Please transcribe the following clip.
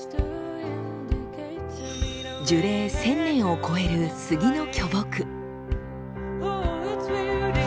樹齢１０００年を超える杉の巨木。